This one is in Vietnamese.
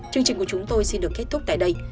chương trình của chúng tôi xin được kết thúc tại đây